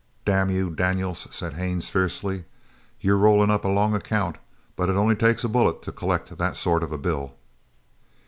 "Damn you, Daniels," said Haines fiercely, "you're rolling up a long account, but it only takes a bullet to collect that sort of a bill!"